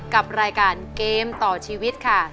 กับรายการเกมต่อชีวิตค่ะ